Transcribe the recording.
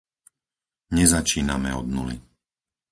Nezačíname od nuly.